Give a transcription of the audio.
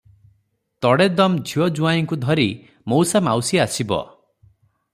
ତଡ଼େଦମ୍ ଝିଅ ଜୁଆଇଁଙ୍କୁ ଧରି ମଉସା ମାଉସୀ ଆସିବ ।